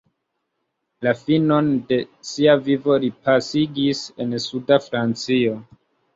La finon de sia vivo li pasigis en suda Francio.